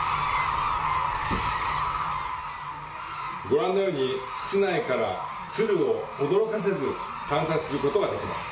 ご覧のように、室内から、ツルを驚かせず観察することができます。